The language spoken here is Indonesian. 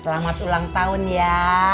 selamat ulang tahun ya